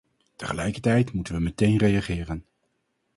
Tegelijkertijd moeten we meteen reageren.